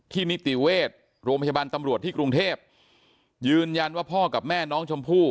นิติเวชโรงพยาบาลตำรวจที่กรุงเทพยืนยันว่าพ่อกับแม่น้องชมพู่